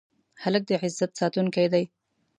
هلک د عزت ساتونکی دی.